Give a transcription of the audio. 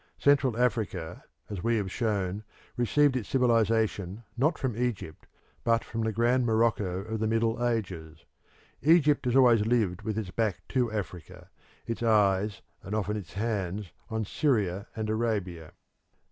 Central Africa, as we have shown, received its civilisation not from Egypt but from the grand Morocco of the Middle Ages. Egypt has always lived with its back to Africa, its eyes and often its hands on Syria and Arabia.